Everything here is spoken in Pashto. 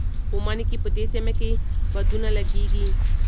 په مني کې په دې سیمه کې بادونه لګېږي.